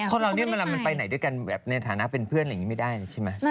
คนเรานี่มันไปไหนด้วยกันแบบในฐานะเป็นเพื่อนอะไรอย่างนี้ไม่ได้ใช่ไหม